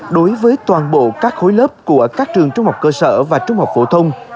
đối với toàn bộ các khối lớp của các trường trung học cơ sở và trung học phổ thông